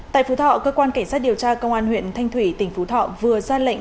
tại phú thọ cơ quan cảnh sát điều tra công an huyện thanh thủy tỉnh phú thọ vừa ra lệnh